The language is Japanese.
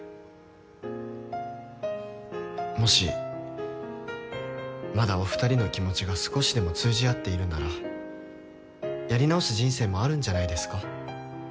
もしまだお二人の気持ちが少しでも通じ合っているならやり直す人生もあるんじゃないですか？